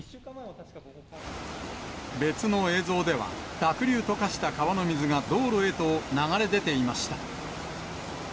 別の映像では、濁流と化した川の水が、道路へと流れ出ていました。